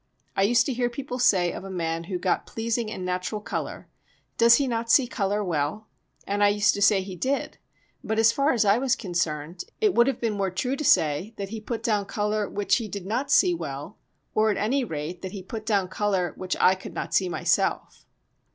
I used to hear people say of a man who got pleasing and natural colour, "Does he not see colour well?" and I used to say he did, but, as far as I was concerned, it would have been more true to say that he put down colour which he did not see well, or at any rate that he put down colour which I could not see myself.